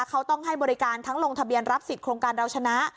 เขาต้องให้บริการทั้งลงทะเบียนรับสิทธิโครงการเราชนะ